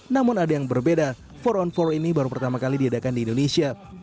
namun ada yang berbeda empat on empat ini baru pertama kali diadakan di indonesia